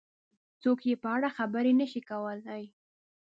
څوک یې په اړه خبرې نه شي کولای.